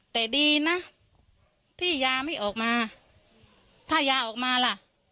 แต่ดีนะที่ยาไม่ออกมาถ้ายาออกมาล่ะ